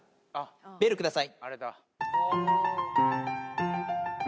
ベルください。